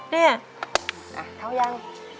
เขาอยังไหม